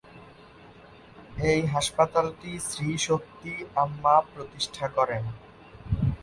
এই হাসপাতালটি শ্রী শক্তি আম্মা প্রতিষ্ঠা করেন।